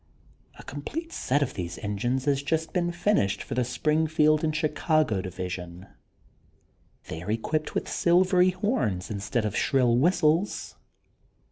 A complete set of these engines have just been finished for the Springfield and Chicago division. They are equipped with silvery horns instead of shrill whistles.